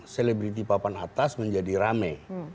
selebriti papan atas menjadi rame